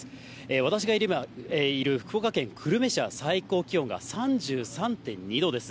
私がいる福岡県久留米市は最高気温が３３．２度です。